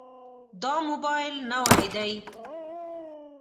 دا موبایل نوی دی.